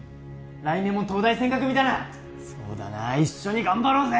来年も東大専科組だなそうだな一緒に頑張ろうぜ！